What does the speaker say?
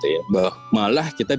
tapi ada yang juga mungkin